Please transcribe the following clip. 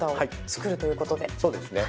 そうですね。